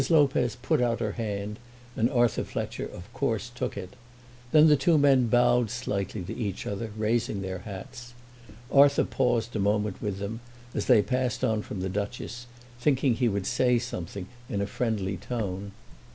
Lopez put out her hand, and Arthur Fletcher of course took it. Then the two men bowed slightly to each other, raising their hats. Arthur paused a moment with them, as they passed on from the Duchess, thinking that he would say something in a friendly tone.